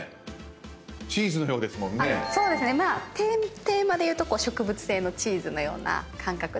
テーマでいうと植物性のチーズのような感覚で。